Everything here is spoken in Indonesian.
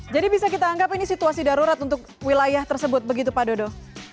jadi bisa kita anggap ini situasi darurat untuk wilayah tersebut begitu pak dodo